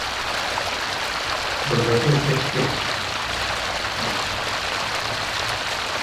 Los datos de este experimento fueron descargados vía telemetría.